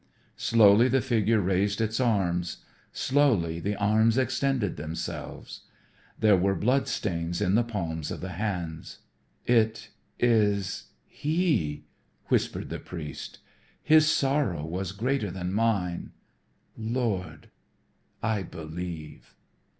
Slowly the figure raised its arms. Slowly the arms extended themselves; there were blood stains in the palms of the hands. "It is He," whispered the priest. "His sorrow was greater than mine. Lord, I believe."